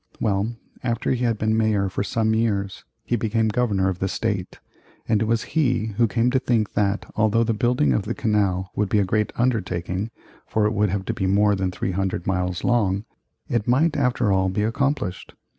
Well, after he had been Mayor for some years, he became Governor of the State, and it was he who came to think that although the building of the canal would be a great undertaking, for it would have to be more than 300 miles long, it might after all be accomplished.